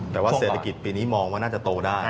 แต่ว่าเศรษฐกิจปีนี้มองว่าน่าจะโตได้